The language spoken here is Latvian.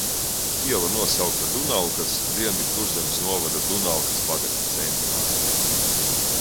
Iela nosaukta Dunalkas – Dienvidkurzemes novada Dunalkas pagasta centra – vārdā.